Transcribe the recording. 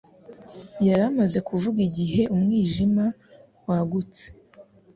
Yari amaze kuvuga igihe umwijima wagutse